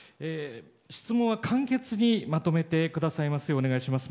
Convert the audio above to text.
質問は簡潔にまとめてくださいますようお願いします。